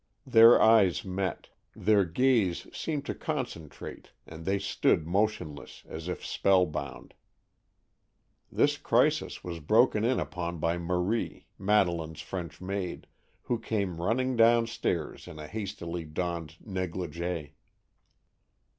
Their eyes met, their gaze seemed to concentrate, and they stood motionless, as if spellbound. This crisis was broken in upon by Marie, Madeleine's French maid, who came running downstairs in a hastily donned negligée.